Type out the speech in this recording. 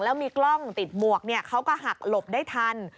แล้วมีกล้องติดหมวกเขาก็หักหลบได้ทัน